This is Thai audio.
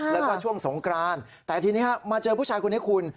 แล้วก็ช่วงสงกรานแต่ทีนี้มาเจอผู้ชายคนนี้คุณ